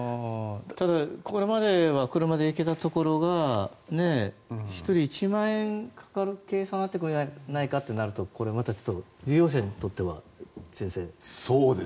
ただ、これまでは車で行けたところが１人１万円かかる計算になってくるのではとなるとこれまたちょっと利用者にとっては先生。